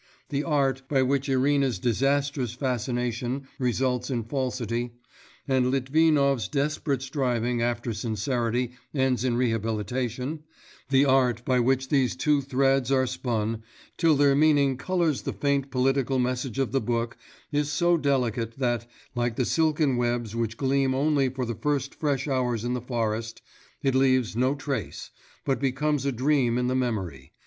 The art by which Irina's disastrous fascination results in falsity, and Litvinov's desperate striving after sincerity ends in rehabilitation, the art by which these two threads are spun, till their meaning colours the faint political message of the book, is so delicate that, like the silken webs which gleam only for the first fresh hours in the forest, it leaves no trace, but becomes a dream in the memory.